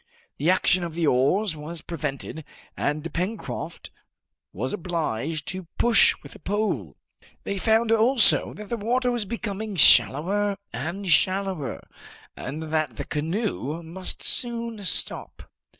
The action of the oars was prevented, and Pencroft was obliged to push with a pole. They found also that the water was becoming shallower and shallower, and that the canoe must soon stop.